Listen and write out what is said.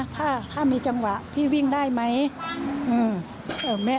ถ้ามีจังหวะที่วิ่งได้ไหม